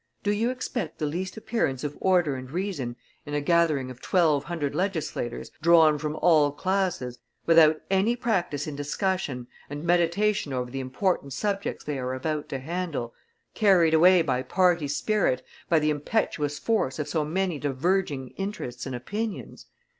Do you expect the least appearance of order and reason in a gathering of twelve hundred legislators, drawn from all classes, without any practice in discussion and meditation over the important subjects they are about to handle, carried away by party spirit, by the impetuous force of so many diverging interests and opinions?